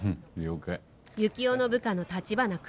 幸男の部下の橘君。